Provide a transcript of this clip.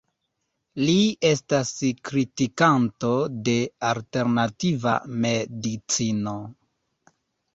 Li estas kritikanto de Alternativa medicino.